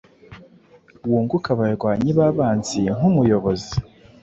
Wunguke abarwanyi babanzi nkumuyobozi